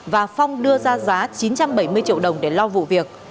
và phong đưa ra giá chín trăm bảy mươi triệu đồng để lo vụ việc